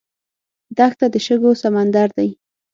دښته د شګو سمندر دی.